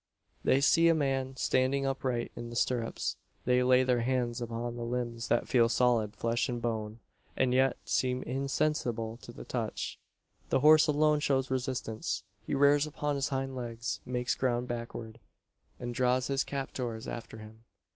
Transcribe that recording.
They see a man standing upright in the stirrups; they lay their hands upon limbs that feel solid flesh and bone, and yet seem insensible to the touch! The horse alone shows resistance. He rears upon his hind legs, makes ground backward, and draws his captors after him.